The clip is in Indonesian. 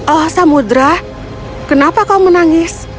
oh samudera kenapa kau menangis